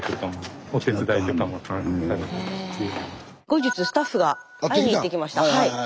後日スタッフが会いに行ってきました。